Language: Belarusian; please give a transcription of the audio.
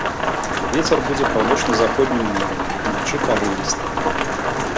Вецер будзе паўночна-заходні ўмераны, уначы парывісты.